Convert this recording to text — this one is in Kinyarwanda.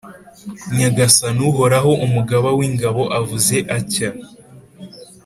Nyagasani Uhoraho, Umugaba w’ingabo avuze atya: